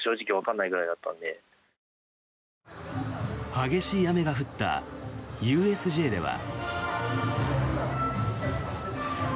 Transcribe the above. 激しい雨が降ったＵＳＪでは。